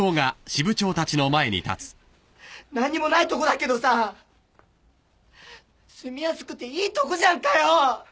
何にもないとこだけどさ住みやすくていいとこじゃんかよ！